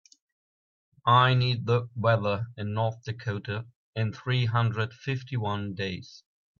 I need the weather in North Dakota in three hundred fifty one days